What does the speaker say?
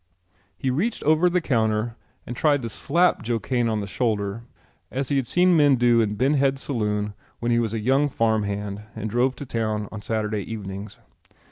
He reached over the counter and tried to slap Joe Kane on the shoulder as he had seen men do in Ben Head's saloon when he was a young farm hand and drove to town on Saturday evenings.